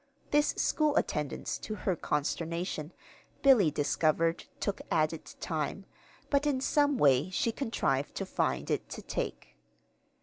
This school attendance, to her consternation, Billy discovered took added time; but in some way she contrived to find it to take.